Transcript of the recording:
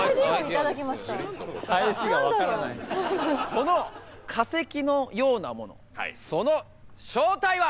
この化石のようなものその正体は。